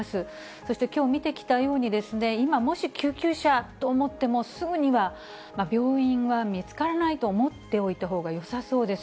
そしてきょう見てきたように、今、もし救急車と思っても、すぐには病院は見つからないと思っておいたほうがよさそうです。